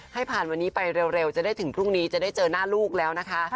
ให้ผ่านวันนี้ไปเร็วจะได้ถึงพรุ่งนี้จะได้เจอหน้าลูกแล้วนะคะ